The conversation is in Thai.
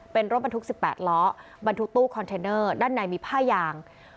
เป็นรถบรรทุก๑๘ล้อบรรทุกตู้คอนเทนเนอร์ด้านในมีผ้ายาง